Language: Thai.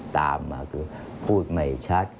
ตามมาคือพูดไม่ชัด